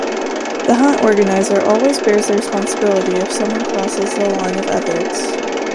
The hunt organizer always bears the responsibility if someone crosses the line of ethics.